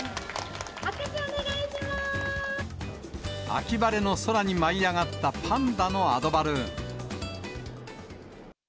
秋晴れの空に舞い上がったパンダのアドバルーン。